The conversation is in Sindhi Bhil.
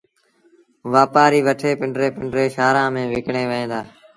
وآپآريٚ وٺي پنڊري پنڊري شآهرآݩ ميݩ کڻي وهيݩ دآ